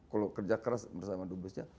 kalau kerja keras bersama duta besarnya